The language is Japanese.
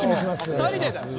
「２人でだ」